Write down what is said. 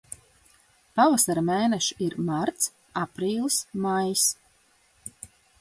Pavasara mēneši ir marts, aprīlis, maijs.